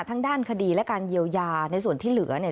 ทั้งด้านคดีและการเยียวยาในส่วนที่เหลือเนี่ย